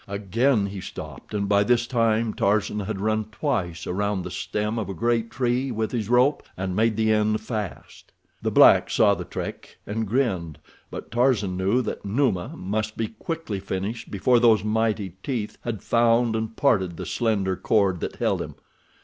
Again he stopped, and by this time Tarzan had run twice around the stem of a great tree with his rope, and made the end fast. The black saw the trick, and grinned, but Tarzan knew that Numa must be quickly finished before those mighty teeth had found and parted the slender cord that held him.